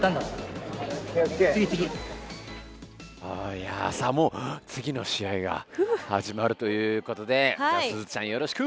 いやもう次の試合が始まるということですずちゃんよろしく！